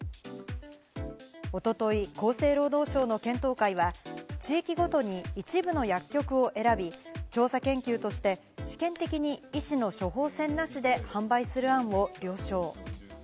おととい厚生労働省の検討会は地域ごとに一部の薬局を選び、調査研究として試験的に医師の処方箋なしで販売する案を了承。